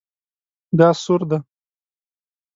دا سور ده